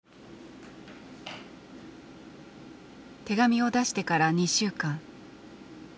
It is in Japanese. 手紙を出してから２週間。